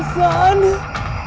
saya ada pengesahan nih